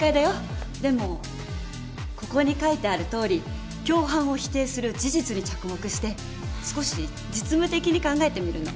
でもここに書いてあるとおり共犯を否定する事実に着目して少し実務的に考えてみるのもいいかもよ。